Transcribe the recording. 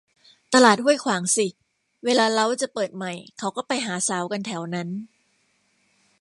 ตลาดห้วยขวางสิ เวลาเล้าจะเปิดใหม่เขาก็ไปหาสาวกันแถวนั้น